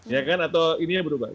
ya kan atau ininya berubah